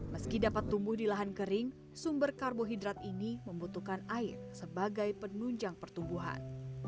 meski dapat tumbuh di lahan kering sumber karbohidrat ini membutuhkan air sebagai penunjang pertumbuhan